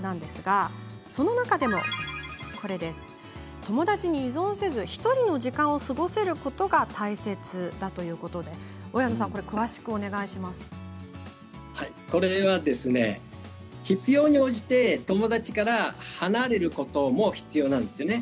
その中でも友達に依存せず１人の時間を過ごせることが大切だということでこれはですね必要に応じて友達から離れることも必要なんですね。